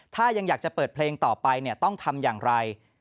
ถ้ายังอยากจะเปิดเพลงต่อไปต้องทำอย่างไร